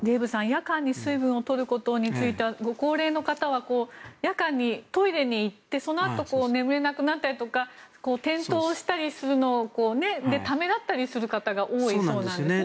夜間に水分を取ることについてはご高齢の方は夜間にトイレに行ってそのあと眠れなくなったりとか転倒したりするのでためらったりする方が多いそうなんですね。